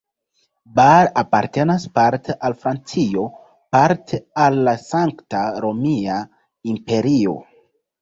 Bar apartenis parte al Francio, parte al la Sankta Romia Imperio.